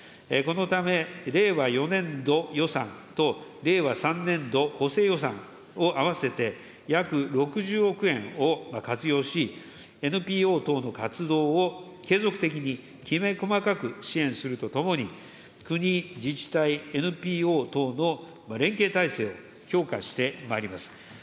このため、令和４年度予算と令和３年度補正予算を合わせて、約６０億円を活用し、ＮＰＯ等の活動を継続的にきめ細かく支援するとともに、国、自治体、ＮＰＯ等の連携体制を強化してまいります。